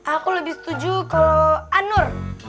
aku lebih setuju kalau anur